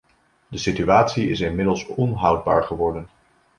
De situatie is inmiddels onhoudbaar geworden.